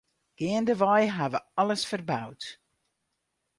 Geandewei ha we alles ferboud.